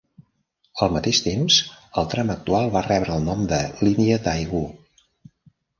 Al mateix temps, el tram actual va rebre el nom de Línia Daegu.